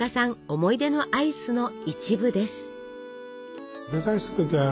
思い出のアイスの一部です。